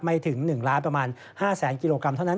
ไม่ถึง๑ล้านประมาณ๕๐๐๐๐๐กิโลกรัมเท่านั้น